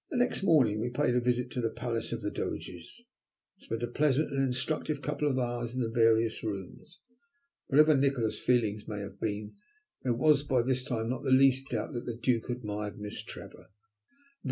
Next morning we paid a visit to the Palace of the Doges, and spent a pleasant and instructive couple of hours in the various rooms. Whatever Nikola's feelings may have been, there was by this time not the least doubt that the Duke admired Miss Trevor.